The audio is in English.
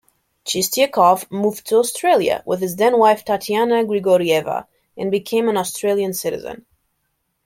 Chistiakov moved to Australia with his then-wife Tatiana Grigorieva and became an Australian citizen.